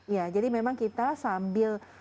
ya jadi memang kita sambil